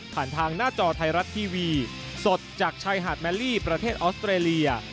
ทางหน้าจอไทยรัฐทีวีสดจากชายหาดแมลี่ประเทศออสเตรเลีย